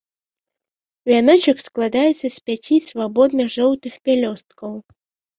Вяночак складаецца з пяці свабодных жоўтых пялёсткаў.